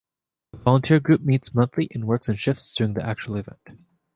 The volunteer group meets monthly and works in shifts during the actual event.